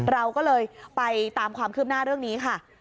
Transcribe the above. เราก็เลยไปตามความคืบหน้าเรื่องนี้ค่ะ